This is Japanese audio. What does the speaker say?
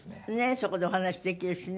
そこでお話しできるしね。